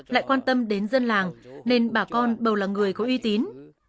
lại quan tâm đến dân làng nên bà con bầu là người có uy tín